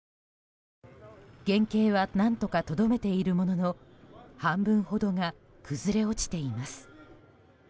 原形は何とかとどめているものの半分ほどが崩れ落ちています。